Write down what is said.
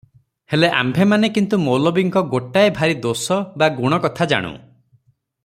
ହେଲେ ଆମ୍ଭେମାନେ କିନ୍ତୁ ମୌଲବୀଙ୍କ ଗୋଟାଏ ଭାରି ଦୋଷ ବା ଗୁଣ କଥା ଜାଣୁ